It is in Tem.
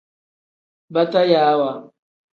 Batayaawa.